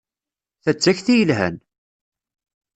Ta d takti yelhan!